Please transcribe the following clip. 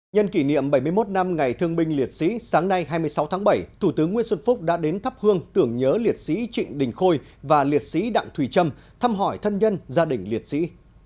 nhân kỷ niệm bảy mươi một năm ngày thương binh liệt sĩ sáng nay hai mươi sáu tháng bảy thủ tướng nguyễn xuân phúc đã đến thắp hương tưởng nhớ liệt sĩ trịnh đình khôi và liệt sĩ đặng thùy trâm thăm hỏi thân nhân gia đình liệt sĩ